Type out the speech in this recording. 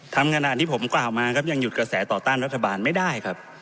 ทำขนาดที่ผมกล่าวมาครับยังหยุดกระแสต่อต้านรัฐบาลไม่ได้ครับ